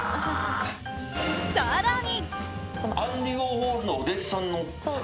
更に。